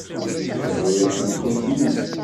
Tebra-as i lkas-nni.